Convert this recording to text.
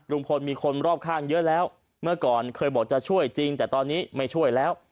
ลุงพลมีคนรอบข้างเยอะแล้วเมื่อก่อนเคยบอกจะช่วยจริงแต่ตอนนี้ไม่ช่วยแล้ว